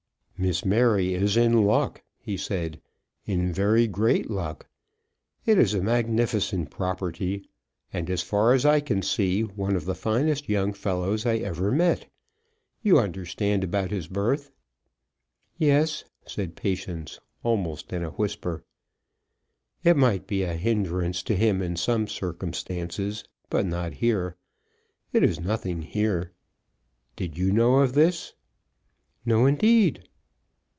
"Miss Mary is in luck," he said; "in very great luck. It is a magnificent property, and as far as I can see, one of the finest young fellows I ever met. You understand about his birth?" "Yes," said Patience, almost in a whisper. "It might be a hindrance to him in some circumstances; but not here. It is nothing here. Did you know of this?" "No, indeed."